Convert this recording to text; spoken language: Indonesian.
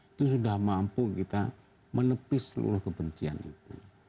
itu sudah mampu kita menepis seluruh kebencian itu